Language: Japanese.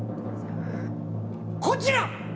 こちら。